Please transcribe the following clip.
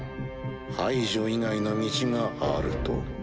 排除以外の道があると？